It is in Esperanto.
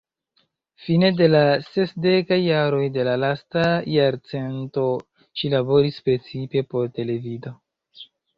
Fine de la sesdekaj jaroj de la lasta jarcento ŝi laboris precipe por televido.